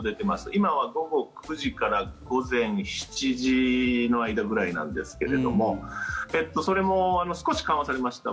今は午後９時から午前７時の間ぐらいなんですがそれも少し緩和されました。